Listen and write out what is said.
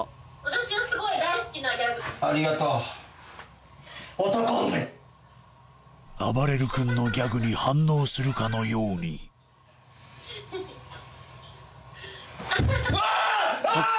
私はすごい大好きなギャグありがとうあばれる君のギャグに反応するかのようにわーっあーっ！